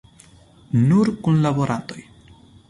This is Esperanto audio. Nur kunlaborantoj.